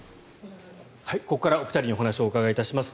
ここからお二人にお話をお伺いします。